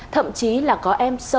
thậm chí là có em sợ